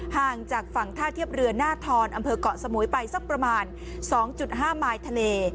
ห่างจากฝั่งท่าเทียบเรือหน้าทอนอำเภอกเกาะสมุยไปสักประมาณ๒๕มายทะเล